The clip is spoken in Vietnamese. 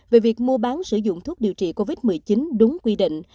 về việc mua bán sử dụng thuốc điều trị covid một mươi chín đúng quy định